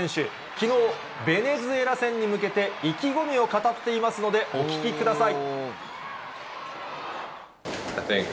きのう、ベネズエラ戦に向けて、意気込みを語っていますので、お聞きください。